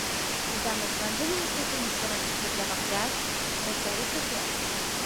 لە دامەزراندنی یەکێتی نووسەرانی کورد لە بەغداد بەشداری کردووە